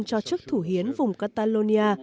cho chức thủ hiến vùng catalonia